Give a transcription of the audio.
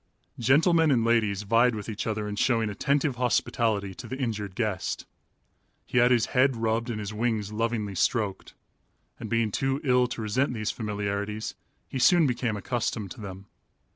Gentlemen and ladies vied with each other in showing attentive hospitality to the injured guest. He had his head rubbed and his wings lovingly stroked, and being too ill to resent these familiarities, he soon became accustomed to them.